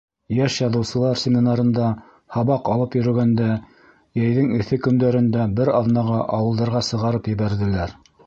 Йәш яҙыусылар семинарында һабаҡ алып йөрөгәндә, йәйҙең эҫе көндәрендә бер аҙнаға ауылдарға сығарып ебәрҙеләр.